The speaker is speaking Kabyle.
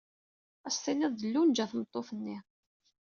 Ad s-tiniḍ d Lunja tmeṭṭut-nni.